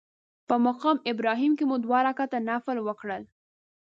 په مقام ابراهیم کې مو دوه رکعته نفل وکړل.